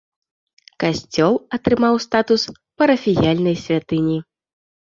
Касцёл атрымаў статус парафіяльнай святыні.